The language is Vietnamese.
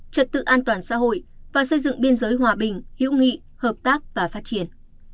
trật tự an toàn xã hội và xây dựng biên giới hòa bình hữu nghị hợp tác và phát triển